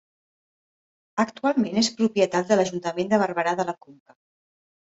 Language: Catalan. Actualment és propietat de l'Ajuntament de Barberà de la Conca.